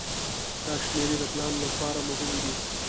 دا شمیرې د پلان لپاره مهمې دي.